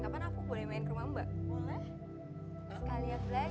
suara kau bagus juga ya ternyata